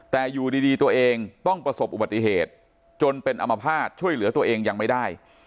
แต่อยู่ดีตัวเองต้องประสบอุบัติเหตุจนเป็นอมภาษณ์ช่วยเหลือตัวเองยังไม่ได้